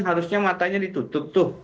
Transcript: harusnya matanya ditutup tuh